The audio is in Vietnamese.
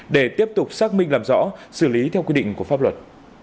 để tiếp tục xác minh làm rõ xử lý theo quy định của pháp luật